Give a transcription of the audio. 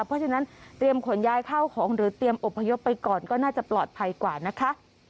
เพราะฉะนั้นเตรียมขนย้ายเข้าของหรือเตรียมอบพยพไปก่อนก็น่าจะปลอดภัยกว่านะคะ